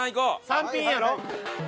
３品やろ。